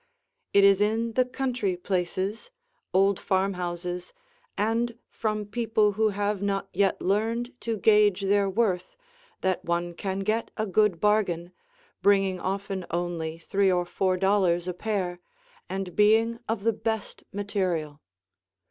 It is in the country places, old farmhouses, and from people who have not yet learned to gage their worth, that one can get a good bargain, bringing often only three or four dollars a pair, and being of the best material.